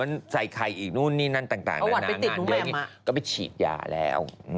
มันใส่ไข่อีกนู่นนี่นั่นต่างนานางานเยอะนี่ก็ไปฉีดยาแล้ว